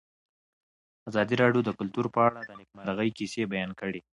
ازادي راډیو د کلتور په اړه د نېکمرغۍ کیسې بیان کړې.